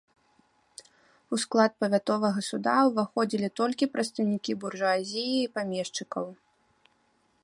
У склад павятовага суда ўваходзілі толькі прадстаўнікі буржуазіі і памешчыкаў.